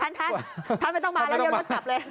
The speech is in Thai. ท่านท่านไม่ต้องมาแล้วเดี๋ยวรถกลับเลย